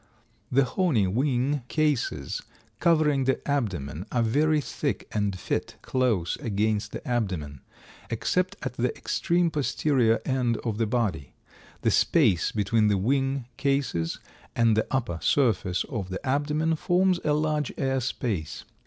The horny wing cases covering the abdomen are very thick and fit close against the abdomen, except at the extreme posterior end of the body. The space between the wing cases and the upper surface of the abdomen forms a large air space.